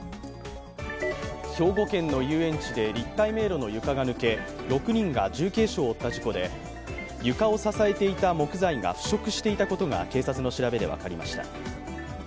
兵庫県の遊園地で立体迷路の床が抜け６人が重軽傷を負った事故で床を支えていた木材が腐食したことが警察の調べで分かりました。